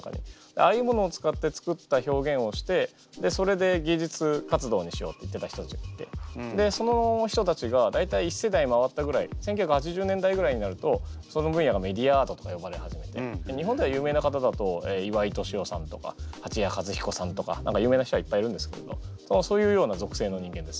ああいうものを使って作った表現をしてそれで芸術活動にしようって言ってた人たちがいてその人たちが大体１世代回ったぐらい１９８０年代ぐらいになるとその分野がメディアアートとかよばれ始めて日本では有名な方だと岩井俊雄さんとか八谷和彦さんとか何か有名な人はいっぱいいるんですけどそういうようなぞくせいの人間です。